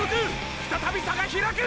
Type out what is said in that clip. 再び差がひらく！！